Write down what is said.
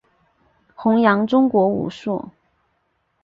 宏杨中国武术。